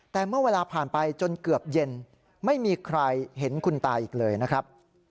แต่เมื่อเวลาผ่านไปจนเกือบเย็นไม่มีใครเห็นคุณตาอีกเลยนะครับ